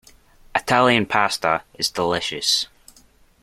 Italian Pasta is delicious.